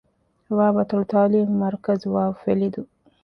ވ. އަތޮޅު ތަޢުލީމީ މަރުކަޒު، ވ. ފެލިދޫ